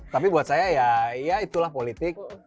tapi buat saya ya itulah politik